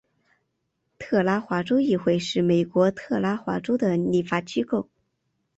特拉华州议会是美国特拉华州的立法机构。